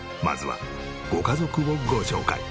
まずはご家族をご紹介。